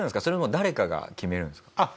それとも誰かが決めるんですか？